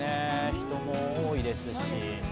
人も多いですし。